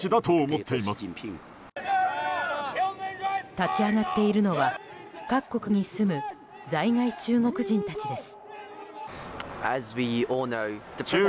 立ち上がっているのは各国に住む在外中国人たちです。